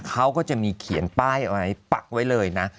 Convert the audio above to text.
เขาก็จะมีเขียนป้ายเอาไว้ปักไว้เลยนะ